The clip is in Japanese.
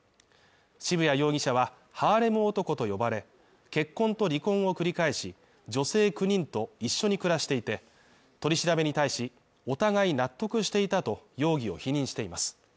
渋谷容疑者は、ハーレム男と呼ばれ、結婚と離婚を繰り返し、女性９人と一緒に暮らしていて、取り調べに対しお互い納得していたと容疑を否認しています。